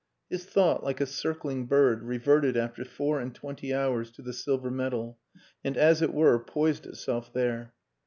His thought like a circling bird reverted after four and twenty hours to the silver medal, and as it were poised itself there.